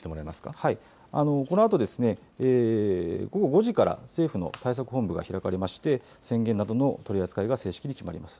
このあと午後５時から政府の対策本部が開かれまして、宣言などの取り扱いが正式に決まります。